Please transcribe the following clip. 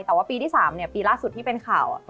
แต่ว่าปีที่๓ปีล่าสุดที่เป็นข่าว